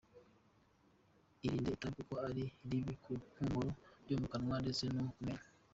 Irinde itabi kuko ari ribi ku mpumuro yo mu kanwa ndetse no ku menyo.